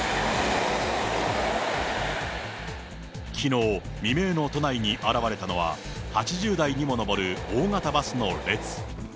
きのう未明の都内に現れたのは、８０台にも上る大型バスの列。